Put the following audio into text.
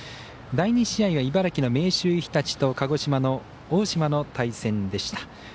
第２試合は茨城の明秀日立と鹿児島、大島の対戦でした。